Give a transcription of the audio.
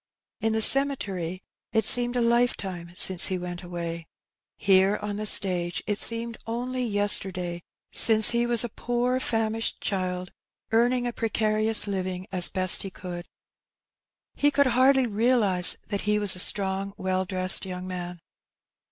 In the cemetery it seemed a life time since he went away; here, on the stage, it seemed only yesterday since he was a poor famished child, earning a precarious living as best he could. He could hardly realize that he was a strong, well dressed young man.